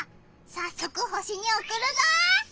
さっそく星におくるぞ！